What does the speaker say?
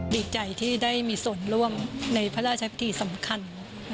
ดีใจที่ได้มีส่วนร่วมในพระราชพิธีสำคัญ